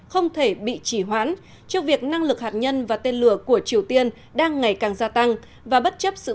không thể bị trả lời đến tỉnh lai châu